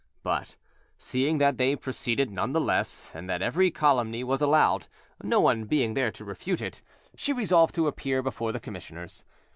But seeing that they proceeded none the less, and that every calumny was allowed, no one being there to refute it, she resolved to appear before the commissioners.